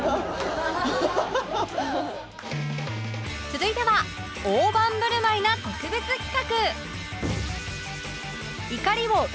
続いては大盤振る舞いな特別企画